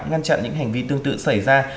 ngăn chặn những hành vi tương tự xảy ra